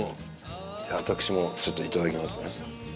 じゃあ私もちょっと頂きますね。